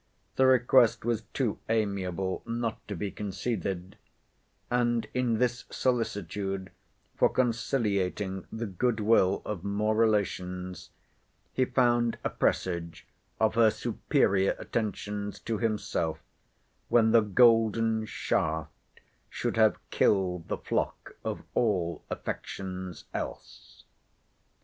The request was too amiable not to be conceded; and in this solicitude for conciliating the good will of mere relations, he found a presage of her superior attentions to himself, when the golden shaft should have "killed the flock of all affections else."